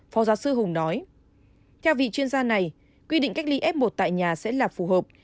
phó giáo sư hùng nói theo vị chuyên gia này quy định cách ly f một tại nhà sẽ là phù hợp